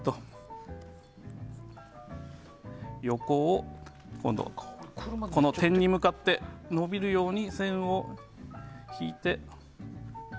横を今度この点に向かって伸びるように線を引いて。